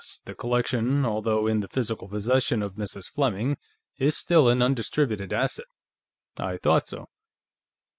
The collection, although in the physical possession of Mrs. Fleming, is still an undistributed asset." "I thought so."